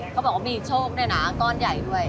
เขาบอกว่ามีโชคด้วยนะก้อนใหญ่ด้วย